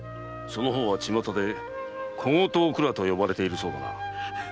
その方は巷で「小言おくら」と呼ばれているそうだな。